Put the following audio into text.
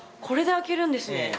これで開けるんですね。